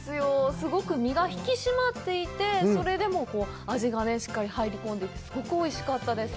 すごく身が引き締まっていて、それでも味がしっかり入り込んで、すごくおいしかったです。